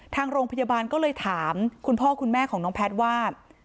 ทางโรงพยาบาลก็เลยถามคุณพ่อคุณแม่ของน้องแพทย์ว่า